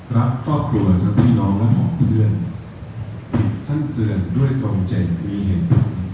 รักครอบครัวกับพี่น้องและพ่อคุณเรื่องท่านเตือนด้วยกลมเจ็ดมีเหตุ